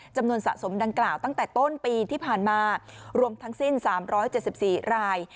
จำนวนสะสมดังกล่าวตั้งแต่ต้นปีที่ผ่านมารวมทั้งสิ้น๓๗๔ราย